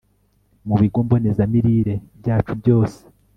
Mu bigo mbonezamirire byacu byose